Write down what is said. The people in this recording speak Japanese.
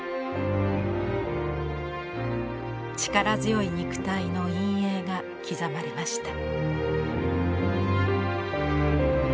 力強い肉体の陰影が刻まれました。